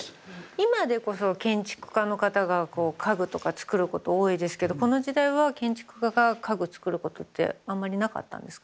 今でこそ建築家の方がこう家具とか作ること多いですけどこの時代は建築家が家具作ることってあんまりなかったんですか？